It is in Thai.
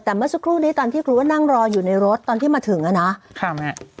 แต่เมื่อสักครู่นี้ตอนที่ครูว่านั่งรออยู่ในรถตอนที่มาถึงอ่ะนะครับ